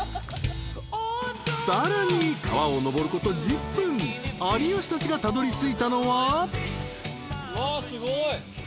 ［さらに川を上ること１０分有吉たちがたどりついたのは］